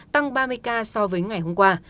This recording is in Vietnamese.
tăng ba mươi ca so với ngày hôm qua